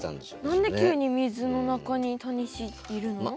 何で急に水の中にタニシいるの？